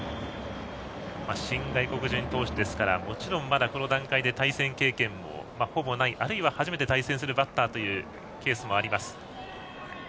新外国人投手ですからもちろん、まだこの段階で対戦経験もほぼないあるいは初対戦のバッターというケースもあります。